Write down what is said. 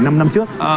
năm năm trước